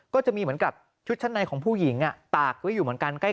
ก็จะมีเหมือนกับชุดชั้นในของผู้หญิงตากไว้อยู่เหมือนกัน